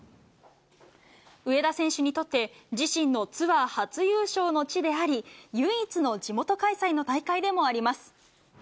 上田選手にとって、自身のツアー初優勝の地であり、唯一の地元開催の大会でもあります。